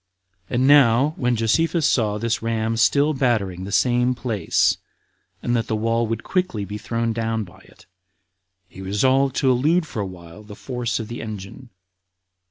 20. And now, when Josephus saw this ram still battering the same place, and that the wall would quickly be thrown down by it, he resolved to elude for a while the force of the engine.